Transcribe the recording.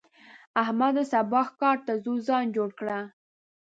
احمده! سبا ښکار ته ځو؛ ځان جوړ کړه.